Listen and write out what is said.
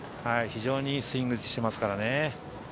非常にいいスイングしてますね。